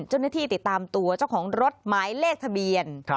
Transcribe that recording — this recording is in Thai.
เจ้าหน้าที่ติดตามตัวเจ้าของรถหมายเลขทะเบียน